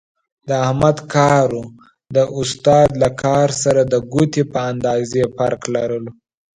د احمد کارو د استاد له کار سره د ګوتې په اندازې فرق لرلو.